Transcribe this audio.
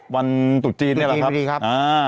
วันตุ๊กจีนเนี่ยแหละครับ